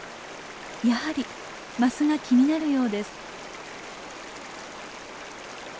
やはりマスが気になるようです。